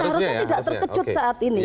harusnya tidak terkejut saat ini